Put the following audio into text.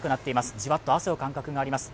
じわっと汗をかく感覚があります。